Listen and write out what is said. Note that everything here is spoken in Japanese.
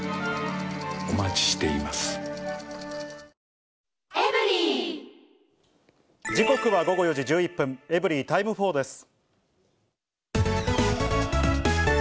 新「ＥＬＩＸＩＲ」時刻は午後４時１１分、エブリィタイム４です。